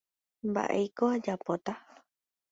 mba'éiko ajapóta.